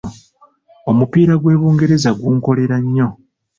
Omupiira gw’e Bungererza gunkolera nnyo.